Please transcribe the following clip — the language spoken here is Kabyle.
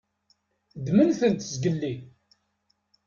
Ddment-tent zgelli.